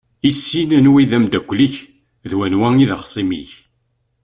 Issin anwa i d amdakel-ik d wanwa i d axṣim-ik!